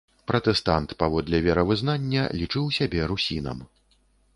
Пратэстант паводле веравызнання, лічыў сябе русінам.